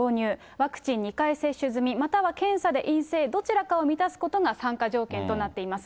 ワクチン２回接種済み、または検査で陰性、どちらかを満たすことが参加条件となっています。